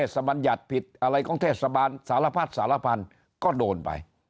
เทศสมัญญัติผิดอะไรของเทศสมัญสารพัฒน์สารพันธ์ก็โดนไป